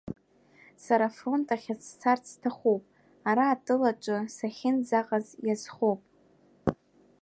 Сара афронт ахь сцарц сҭахуп, ара атыл аҿы сахьынӡаҟаз иазхоуп.